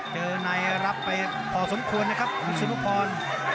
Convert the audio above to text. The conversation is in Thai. เจอในรับไปพอสมควรนะครับวิศนุพร